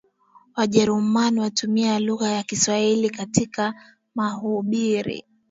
Wajerumani watumie lugha ya Kiswahili katika mahubiri